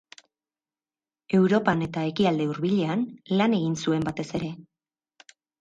Europan eta Ekialde Hurbilean lan egin zuen batez ere.